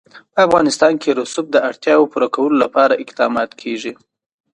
په افغانستان کې د رسوب د اړتیاوو پوره کولو لپاره اقدامات کېږي.